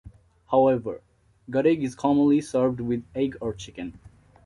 However, gudeg is commonly served with egg or chicken.